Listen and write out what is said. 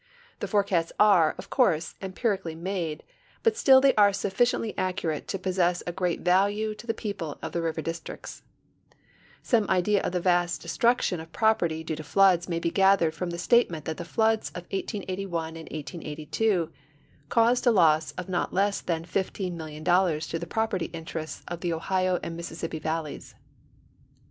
'I'he fore casts are, of course, empirically made, but still they are sufli ciently accurate to possess great value to the people of the river districts. Some idea of the vast destruction of i)roperty due to floods may be gathered from the statement that the floods of 1881 and 1882 caused a loss of not less than $15,000,000 to the proi)erty interests of the Ohio and ]\Iississi])pi valleys.